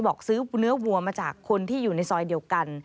บอกซื้อเนื้อวัวมาจากคนที่อยู่ในซอยเดียวกัน